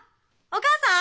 お父さん？